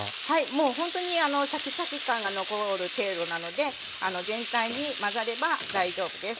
もうほんとにシャキシャキ感が残る程度なので全体に混ざれば大丈夫です。